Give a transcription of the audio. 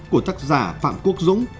của tác giả phạm quốc dũng